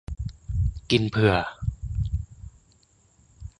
กินเผื่อ